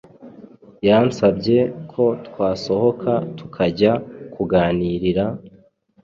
yansabye ko twasohoka tukajya kuganirira